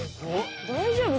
大丈夫？